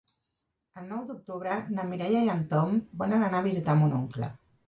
El nou d'octubre na Mireia i en Tom volen anar a visitar mon oncle.